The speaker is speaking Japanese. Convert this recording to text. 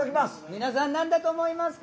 皆さんなんだと思いますか？